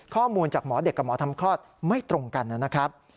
ข้อมูลจากหมอเด็กกับหมอทำคลอดไม่ตรงกันนะครับ